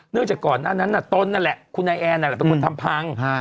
เนื่องจากก่อนอันนั้นน่ะตนนั่นแหละคุณไอแอนน่ะแหละเป็นคนทำพัง